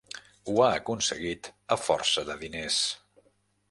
Ho ha aconseguit a força de diners.